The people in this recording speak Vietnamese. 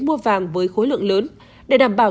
mua vàng với khối lượng lớn để đảm bảo